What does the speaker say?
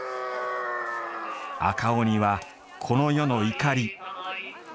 赤鬼はこの世の怒り。